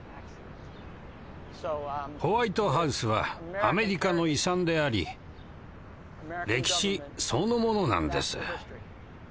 ホワイトハウスはアメリカの遺産であり歴史そのものなんです。